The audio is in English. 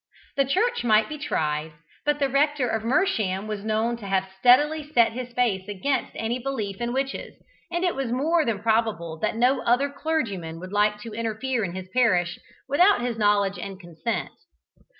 The church might be tried, but the rector of Mersham was known to have steadily set his face against any belief in witches, and it was more than probable that no other clergyman would like to interfere in his parish without his knowledge and consent.